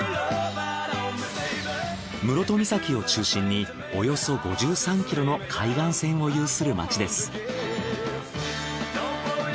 室戸岬を中心におよそ５３ｋｍの海岸線を有する街です。